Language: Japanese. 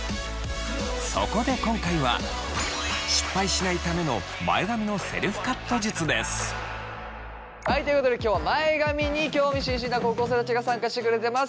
そこで今回ははいということで今日は前髪に興味津々な高校生たちが参加してくれてます。